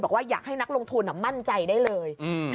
บอกว่าอยากให้นักลงทุนมั่นใจได้เลย